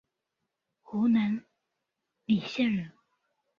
湖南澧县人。